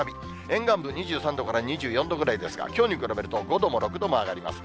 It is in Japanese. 沿岸部２３度から２４度ぐらいですが、きょうに比べると５度も６度も上がります。